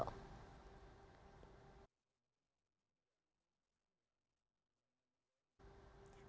pembelian mobil mewah